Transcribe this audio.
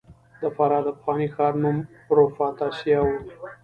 د فراه د پخواني ښار نوم پروفتاسیا و